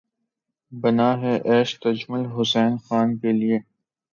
بنا ہے عیش تجمل حسین خاں کے لیے